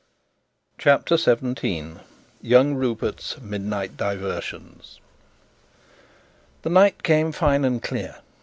CHAPTER 17 Young Rupert's Midnight Diversions The night came fine and clear.